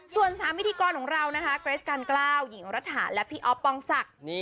ส่วน๓พิธีกรของเรานะคะเกรสการกล้าวหญิงรัฐาและพี่อ๊อฟปองศักดิ์